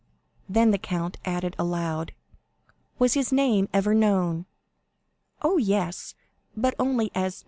Then, the count added aloud, "Was his name ever known?" "Oh, yes; but only as No.